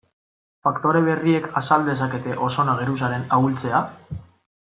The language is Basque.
Faktore berriek azal dezakete ozono geruzaren ahultzea?